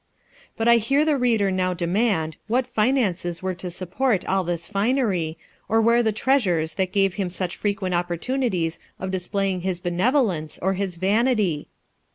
Hut I hear the reader now demand, what finances were to support all this liucry, or where the treasures that gave him such frequent opportunities of LIFE OF RICHARD NASH. 61 displaying his benevolence, or his vanity